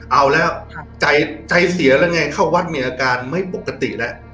เอาแล้วใจเสียแล้วไงเข้าวัดมีอาการไม่ปกติแล้ว